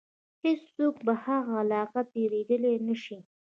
هیڅوک په هغه علاقه کې تېرېدلای نه شي.